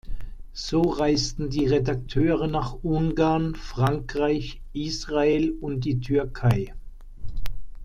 So reisten die Redakteure nach Ungarn, Frankreich, Israel und die Türkei.